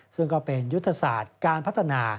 ซึ่งก็เป็นยุทธศาสตร์การพัฒนา